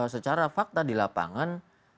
secara fakta di lapangan